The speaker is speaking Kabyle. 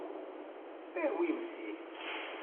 Awimt ti.